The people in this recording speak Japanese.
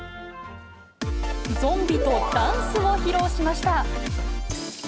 ゾンビとダンスを披露しました。